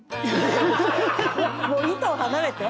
もう「糸」は離れて。